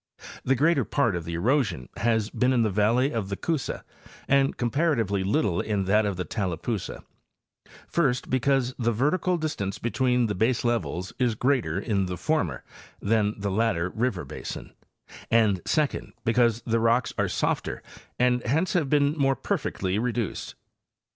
The greater part of the ero sion has been in the valley of the Coosa and comparatively little in that of the Tallapoosa—first, because the vertical dis tance between the baseleyels is greater in the former than the latter river basin, and, second; because the rocks are softer and hence have been more perfectly reduced.